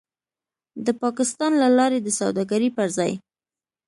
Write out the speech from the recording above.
د پاکستان له لارې د سوداګرۍ پر ځای